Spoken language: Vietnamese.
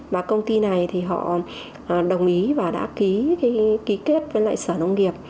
và công ty này thì họ đồng ý và đã ký kết với lại sở nông nghiệp